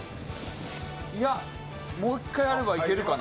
いや、もう一回やればいけるかな？